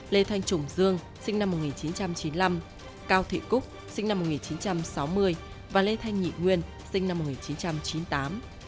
lê thanh trùng dương sinh năm một nghìn chín trăm chín mươi năm cao thị cúc sinh năm một nghìn chín trăm sáu mươi và lê thanh nhị nguyên sinh năm một nghìn chín trăm chín mươi tám